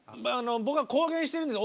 僕は公言してるんですよ。